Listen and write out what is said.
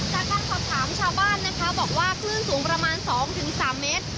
แล้วก็ขอถามชาวบ้านนะคะบอกว่าคลื่นสูงประมาณสองถึงสามเมตร